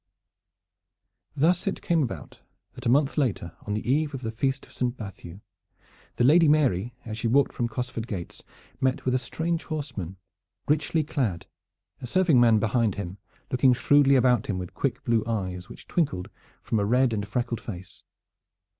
Thus it came about that a month later on the eve of the Feast of Saint Matthew, the Lady Mary, as she walked front Cosford gates, met with a strange horseman, richly clad, a serving man behind him, looking shrewdly about him with quick blue eyes, which twinkled from a red and freckled face.